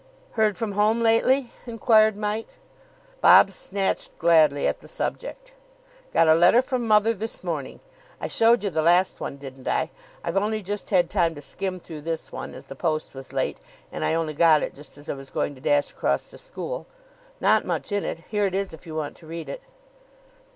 "Heard from home lately?" inquired Mike. Bob snatched gladly at the subject. "Got a letter from mother this morning. I showed you the last one, didn't I? I've only just had time to skim through this one, as the post was late, and I only got it just as I was going to dash across to school. Not much in it. Here it is, if you want to read it."